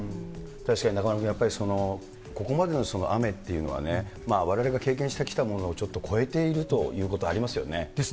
中丸君、やっぱりここまでの雨っていうのはね、われわれが経験してきたものをちょっと超えているということありですね。